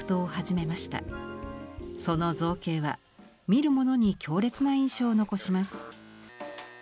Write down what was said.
その造形は見る者に強烈な印象を残します。